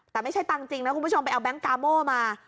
แต่ไม่ใช่ตังค์จริงนะคุณผู้ชมไปเอาแก๊งกาโม่มา